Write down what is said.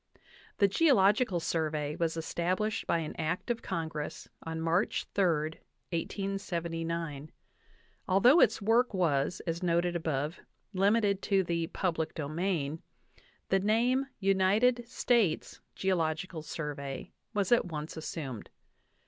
The "Geological Survey" was established by an act of Con gress on March 3, 1879. Although its work was, as noted above, limited to the "public domain," the name "United States Geological Survey" was at once assumed.